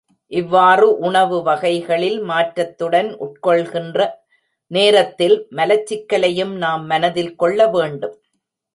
இவ்வாறு உணவு வகைகளில் மாற்றத்துடன் உட்கொள்கின்ற நேரத்தில், மலச்சிக்கலையும் நாம் மனதில் கொள்ள வேண்டும்.